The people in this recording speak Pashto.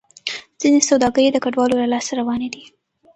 ځینې سوداګرۍ د کډوالو له لاسه روانې دي.